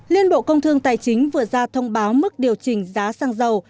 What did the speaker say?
liên bộ công thương tài chính vừa ra thông báo mức điều chỉnh giá xăng dầu